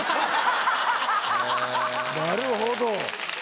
なるほど。